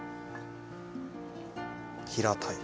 平たい。